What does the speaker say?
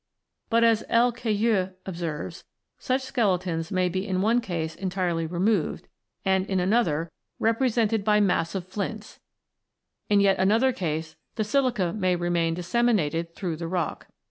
But, as L. Cayeux(23) observes, such skeletons may be in one case entirely removed, and in another represented by 40 ROCKS AND THEIR ORIGINS [CH. massive flints ; in yet another case, the silica may remain disseminated through the rock.